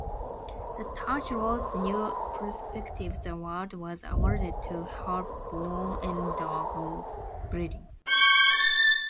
The Touche Ross New Perspectives Award was awarded to Herb Bown and Doug O'Brien.